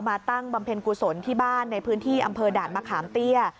ตั้งบำเพ็ญกุศลที่บ้านในพื้นที่อำเภอด่านมะขามเตี้ย